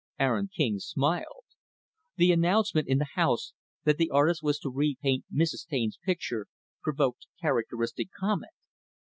Aaron King smiled. The announcement in the house that the artist was to repaint Mrs. Taine's picture, provoked characteristic comment.